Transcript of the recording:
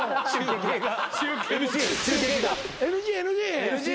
ＮＧＮＧ。